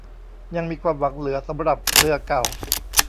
ยังมีความหวังเหลือสำหรับเรือเก่า